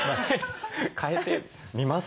変えてみます。